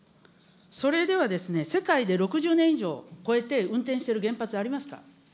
それでは世界で６０年以上超えて運転してる原発ありますか。